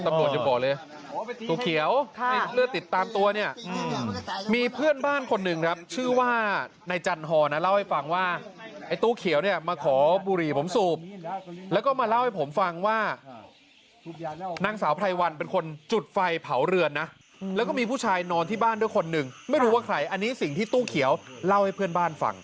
โดนตีอย่างแรงเลยครับก็เลยคุ้มตัวในตู้เขียวไปสอบสนต่อที่โรงพักนางิ้วครับ